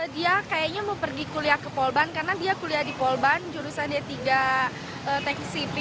dia kayaknya mau pergi kuliah ke polban karena dia kuliah di polban jurusan d tiga tax cp